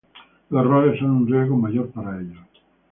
Los errores son un riesgo mayor para ellos.